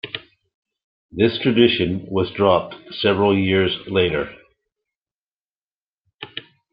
This tradition was dropped several years later.